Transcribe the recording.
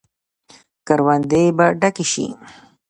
کروندې به ډکې شي.